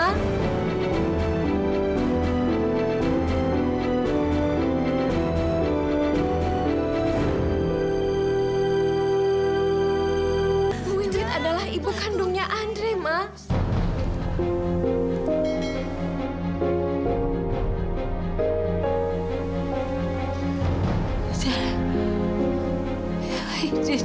bu wiwit adalah ibu kandungnya andres ma